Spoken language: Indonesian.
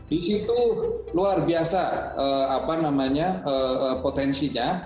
di situ luar biasa potensinya